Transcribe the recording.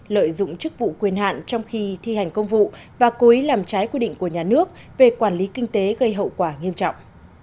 lợi dụng chức vụ quyền hạn trong khi thi hành công vụ và cố ý làm trái quy định của nhà nước về quản lý kinh tế gây hậu quả nghiêm trọng